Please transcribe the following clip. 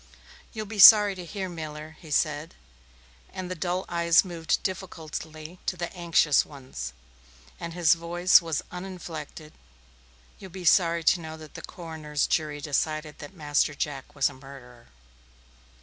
"You'll be sorry to hear, Miller," he said and the dull eyes moved difficultly to the anxious ones, and his voice was uninflected "you'll be sorry to know that the coroner's jury decided that Master Jack was a murderer."